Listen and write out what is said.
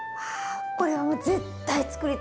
これはもう絶対つくりたいです。